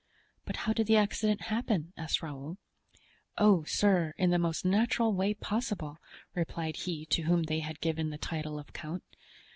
"But how did the accident happen?" asked Raoul. "Oh, sir, in the most natural way possible," replied he to whom they had given the title of count.